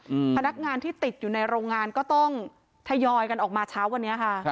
พนักงานที่ติดอยู่ในโรงงานก็ต้องทยอยกันออกมาเช้าวันนี้ค่ะครับ